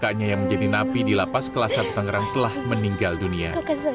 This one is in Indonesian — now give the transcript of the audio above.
kakaknya yang menjadi napi di lapas kelas sabtuangkran setelah meninggal dunia